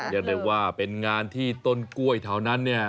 เรียกได้ว่าเป็นงานที่ต้นกล้วยแถวนั้นเนี่ย